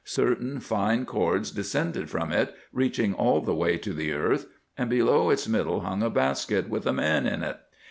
Certain fine cords descended from it, reaching all the way to the earth, and below its middle hung a basket, with a man in it.